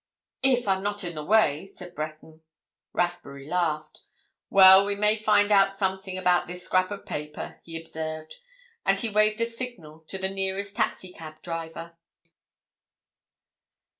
"If I'm not in the way," said Breton. Rathbury laughed. "Well, we may find out something about this scrap of paper," he observed. And he waved a signal to the nearest taxi cab driver.